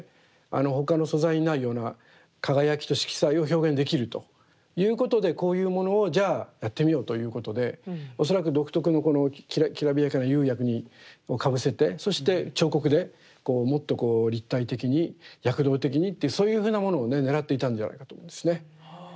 他の素材にないような輝きと色彩を表現できるということでこういうものをじゃあやってみようということで恐らく独特のきらびやかな釉薬をかぶせてそして彫刻でこうもっとこう立体的に躍動的にっていうそういうふうなものをねねらっていたんじゃないかと思うんですね。